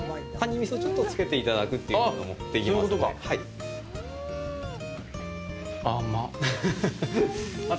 みそをちょっとつけていただくというのもできますんで。